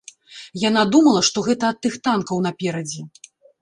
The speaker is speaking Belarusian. Яна думала, што гэта ад тых танкаў наперадзе.